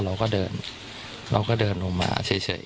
เราก็เดินลงมาเฉย